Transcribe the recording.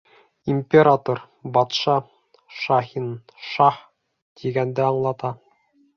Император, батша, Шаһиншаһ тигәнде аңлата!